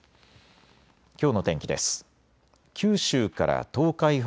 きょうの天気です。